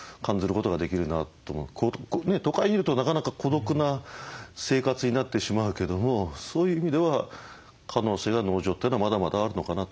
都会にいるとなかなか孤独な生活になってしまうけどもそういう意味では可能性は農場というのはまだまだあるのかなと思いますよね。